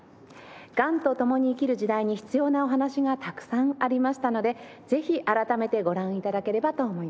がんと共に生きる時代に必要なお話がたくさんありましたのでぜひ改めてご覧頂ければと思います。